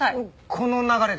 この流れで？